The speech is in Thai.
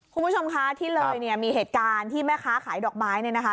คุณผู้ชมคะที่เลยเนี่ยมีเหตุการณ์ที่แม่ค้าขายดอกไม้เนี่ยนะคะ